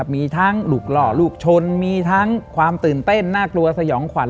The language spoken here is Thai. มีทั้งลูกหล่อลูกชนมีทั้งความตื่นเต้นน่ากลัวสยองขวัญ